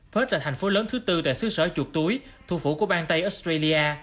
perr là thành phố lớn thứ tư tại xứ sở chuột túi thủ phủ của bang tây australia